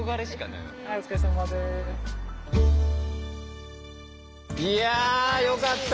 いやよかった！